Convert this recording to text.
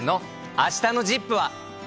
あしたのＺＩＰ！は。